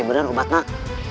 beneran obat nak